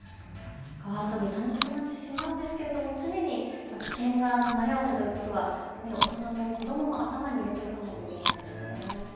川遊び、楽しくなってしまうんですけれども常に危険が隣り合わせということが大人も子どもも頭に入れておかないといけないですね。。